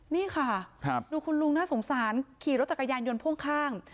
นี่ค่ะดูคุณลุงน่าสงสารขี่รถจักรยานยนต์พ่วงข้าง